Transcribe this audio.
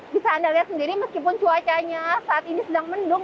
bisa anda lihat sendiri meskipun cuacanya saat ini sedang mendung